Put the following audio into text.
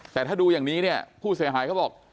แต่ถ้าดูอย่างนี้เนี่ยผู้เสียหายเขาบอก